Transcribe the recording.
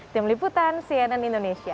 tim liputan cnn indonesia